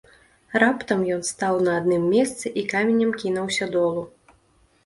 Раптам ён стаў на адным месцы і каменем кінуўся долу.